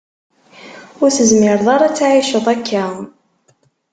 Ur tezmireḍ ad tεiceḍ akka.